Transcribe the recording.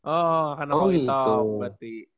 oh kena kok top berarti